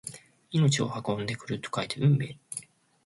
命を運んでくると書いて運命！